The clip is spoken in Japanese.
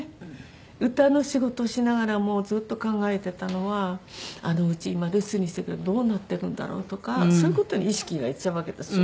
歌の仕事しながらもうずっと考えてたのはあの家今留守にしてるどうなってるんだろう？とかそういう事に意識がいっちゃうわけですよ。